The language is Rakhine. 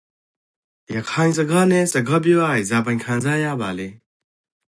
ရခိုင်စကားနန့်စကားပြောရကေဇာပိုင်ခံစားရပါလဲ